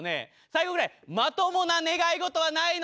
最後ぐらいまともな願い事はないのかな。